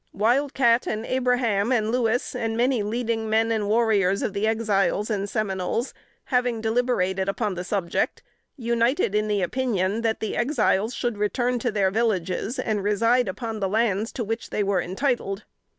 Wild Cat and Abraham and Louis, and many leading men and warriors of the Exiles and Seminoles, having deliberated upon the subject, united in the opinion, that the Exiles should return to their villages and reside upon the lands to which they were entitled.